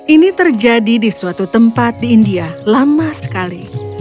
ini terjadi di suatu tempat di india lama sekali